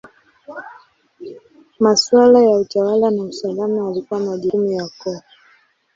Maswala ya utawala na usalama yalikuwa majukumu ya koo.